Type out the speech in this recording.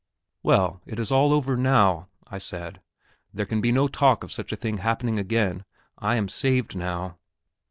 "Well, it is all over now!" I said; "there can be no talk of such a thing happening again; I am saved now...."